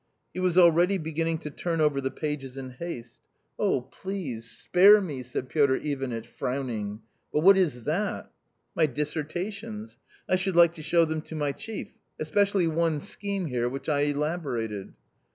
He was already beginning to turn over the pages in haste. " Oh, please, spare me !" said Piotr Ivanitch frowning. " But what is that ?"" My dissertations. I should like to show them to my chief; especially one scheme here which I elaborated."